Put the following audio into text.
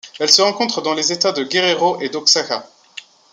Elle se rencontre dans les États du Guerrero et d'Oaxaca.